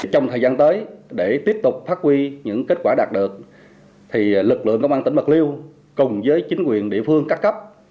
trong thời gian tới để tiếp tục phát huy những kết quả đạt được lực lượng công an tỉnh bạc liêu cùng với chính quyền địa phương các cấp